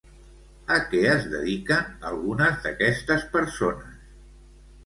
A què es dediquen algunes d'aquestes persones?